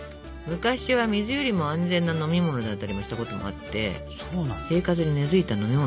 昔は水よりも安全な飲み物だったりもしたこともあって生活に根づいた飲み物だったってことね。